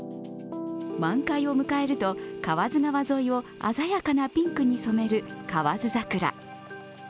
満開を迎えると川津川沿いを鮮やかなピンクに染める河津桜。